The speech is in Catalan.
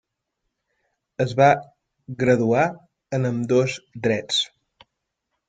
Es va graduar en ambdós drets.